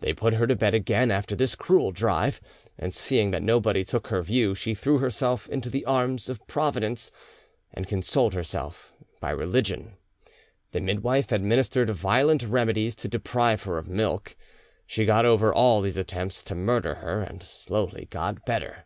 They put her to bed again after this cruel drive, and seeing that nobody took her view, she threw herself into the arms of Providence, and consoled herself by religion; the midwife administered violent remedies to deprive her of milk; she got over all these attempts to murder her, and slowly got better.